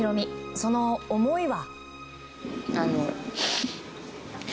その思いは。